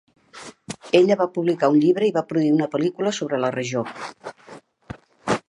Ella va publicar un llibre i va produir una pel·lícula sobre la regió.